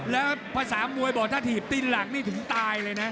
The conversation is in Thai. แล้วภาษามวยบอกถ้าถีบตี้นหลักนี่ถึงตายเลยนะ